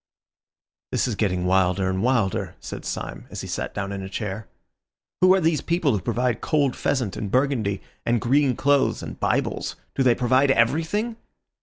"This is getting wilder and wilder," said Syme, as he sat down in a chair. "Who are these people who provide cold pheasant and Burgundy, and green clothes and Bibles? Do they provide everything?"